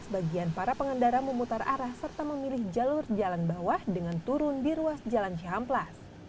sebagian para pengendara memutar arah serta memilih jalur jalan bawah dengan turun di ruas jalan cihamplas